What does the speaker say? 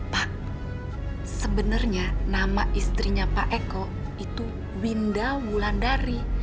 pak sebenarnya nama istrinya pak eko itu winda wulandari